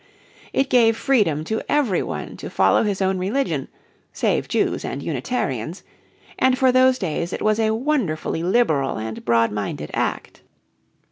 It gave freedom to every one to follow his own religion save Jews and Unitarians, and for those days it was a wonderfully liberal and broad minded Act.